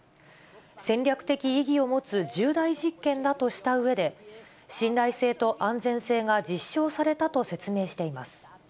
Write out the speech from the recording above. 戦略的意義を持つ重大実験だとしたうえで、信頼性と安全性が実証されたと説明しています。